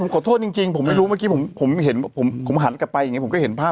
ขอโทษจริงผมไม่รู้เมื่อกี้ผมเห็นผมหันกลับไปอย่างนี้ผมก็เห็นภาพ